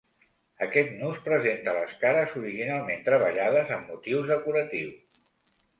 Aquest nus presenta les cares originalment treballades amb motius decoratius.